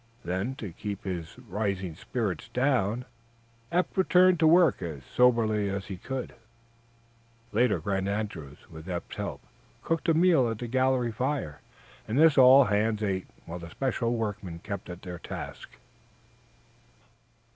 Then, to keep his rising spirits down, Eph returned, to work as soberly as he could. Later Grant Andrews, with Eph's help, cooked a meal at the galley fire, and this all hands ate while the special workmen kept at their task.